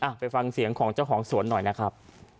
ไปฟังเสียงของเจ้าของสวนหน่อยนะครับ